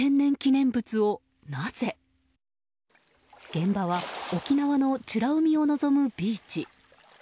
現場は沖縄の美ら海を望むビーチ。